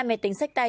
hai mẹ tính sách tay